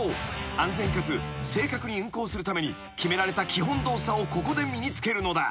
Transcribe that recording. ［安全かつ正確に運行するために決められた基本動作をここで身に付けるのだ］